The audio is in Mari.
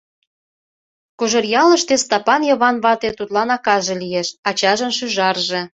Кожеръялыште Стапан Йыван вате тудлан акаже лиеш, ачажын шӱжарже.